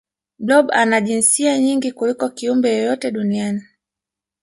blob ana jinsia nyingi kuliko kiumbe yeyote duniani